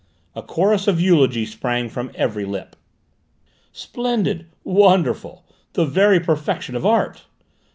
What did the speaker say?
A chorus of eulogy sprang from every lip. "Splendid!" "Wonderful!" "The very perfection of art!"